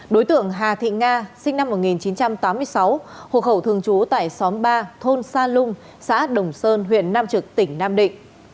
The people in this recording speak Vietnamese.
đối tượng hà thị nga sinh năm một nghìn chín trăm tám mươi sáu hộ khẩu thường trú tại xóm ba thôn sa lung xã đồng sơn huyện nam trực tỉnh nam định